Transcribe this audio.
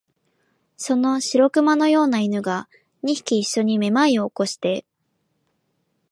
その白熊のような犬が、二匹いっしょにめまいを起こして、